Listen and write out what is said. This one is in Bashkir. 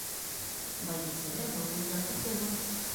Байбисә лә был һүҙгә ҡыҫылманы.